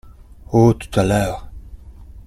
Oh !… tout à l’heure.